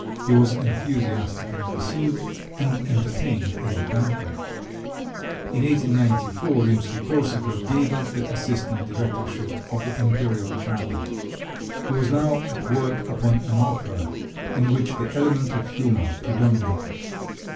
He was enthusiastically received, and entertained at a banquet. In 1894 Rimsky Korsakov gave up the assistant directorship of the Imperial Chapel. He was now at work upon an opera in which the element of humor predominated.